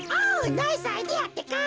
ナイスアイデアってか。